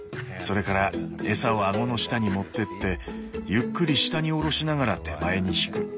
それから餌を顎の下に持ってってゆっくり下におろしながら手前に引く。